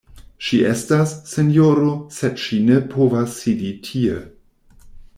Ŝi estas, sinjoro, sed ŝi ne povas sidi tie.